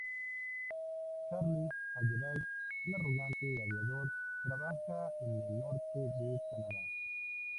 Charlie Halladay, un arrogante aviador, trabaja en el norte de Canadá.